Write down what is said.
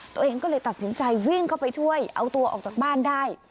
ตัวเองก็เลยตัดสินใจวิ่งเข้าไปช่วยเอาตัวออกจากบ้านได้